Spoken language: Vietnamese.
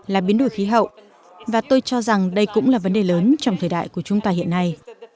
là biến đổi khí hậu và tôi cho rằng đây cũng là vấn đề lớn trong thời đại của chúng ta hiện nay